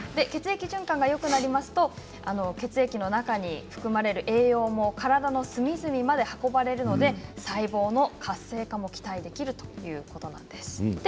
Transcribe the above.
血液循環がよくなりますと血液の中に含まれる栄養も体の隅々まで運ばれるので細胞の活性化も期待できるということなんです。